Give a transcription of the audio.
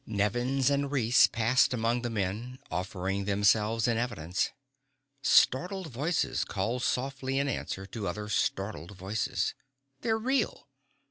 Nevins and Reese passed among the men, offering themselves in evidence. Startled voices called softly in answer to other startled voices. "They're real."